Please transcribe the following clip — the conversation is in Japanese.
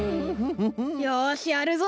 よしやるぞ！